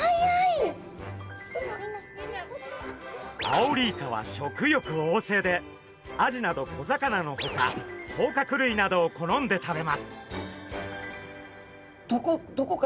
アオリイカは食欲おうせいでアジなど小魚のほかこうかく類などを好んで食べます。